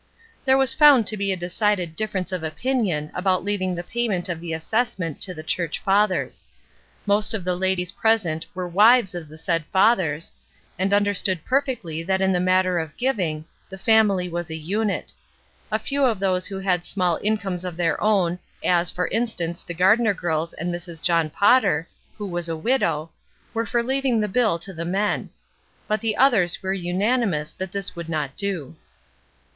There was found to be a decided difference of opinion about leaving the payment of the assess ment to the church fathers. Most of the ladies present were wives of the said fathers, and under stood perfectly that in the matter of giving, the family was a unit. A few of those who had small incomes of their own, as, for instance, the Gardner girls and Mrs. John Potter, who was a widow, were for leaving the bill to the men; but the others were unanimous that this would not do.